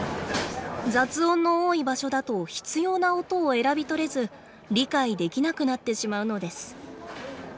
雑音の多い場所だと必要な音を選びとれず理解できなくなってしまうのです。